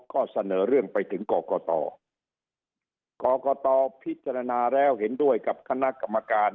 ก็เสนอเรื่องไปถึงกรกตกรกตพิจารณาแล้วเห็นด้วยกับคณะกรรมการ